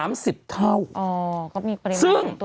อ๋อก็มีปริมาณตรวจเยอะขึ้น